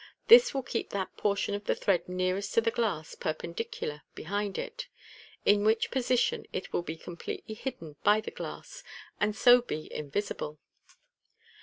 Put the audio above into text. This will keep that portion of the thread nearest to the glass perpendicular behind it, in which position it will be completely hidden by the glass, and sc be invisible.